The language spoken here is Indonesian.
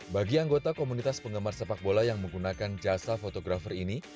bagi anggota komunitas penggemar sepak bola yang menggunakan jasa fotografer ini